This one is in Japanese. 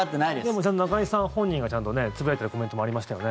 でも、中居さん本人がちゃんとつぶやいてるコメントもありましたよね。